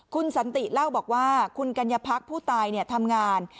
คุณสันติเล่าบอกว่าคุณกัญญาพักผู้ตายทำงาน